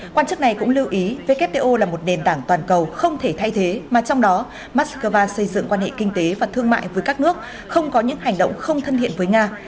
quan chức này cũng lưu ý wto là một nền tảng toàn cầu không thể thay thế mà trong đó moscow xây dựng quan hệ kinh tế và thương mại với các nước không có những hành động không thân thiện với nga